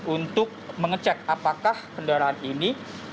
untuk mengecek apakah kendaraan ini